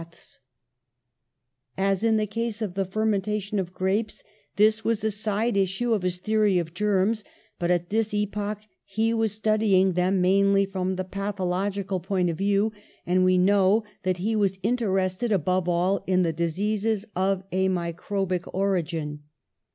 THE CURATIVE POISON 123 As in the case of the fermentation of grapes, this was a side issue of his theory of germs, but at this epoch he was studying them mainly from the pathological point of view, and we know that he was interested above all in dis eases of a microbic origin.